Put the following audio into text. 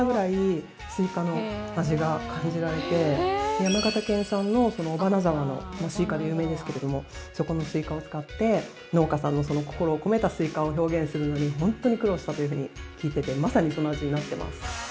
山形県産の尾花沢のスイカで有名ですけれどもそこのスイカを使って農家さんの心を込めたスイカを表現するのに本当に苦労したというふうに聞いててまさにその味になっています。